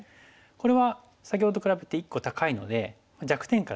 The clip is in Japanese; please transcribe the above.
これは先ほどと比べて１個高いので弱点からいきますと。